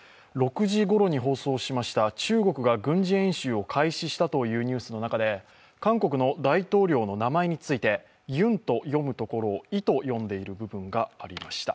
６時ごろに放送しました中国が軍事演習を開始したというニュースの中で韓国の大統領の名前について、「ユン」と読むところを「イ」と読んでいる部分がありました。